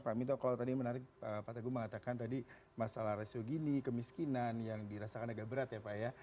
pak minto kalau tadi menarik pak teguh mengatakan tadi masalah rasio gini kemiskinan yang dirasakan agak berat ya pak ya